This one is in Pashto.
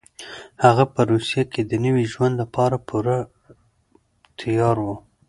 هغه په روسيه کې د نوي ژوند لپاره پوره تيار و.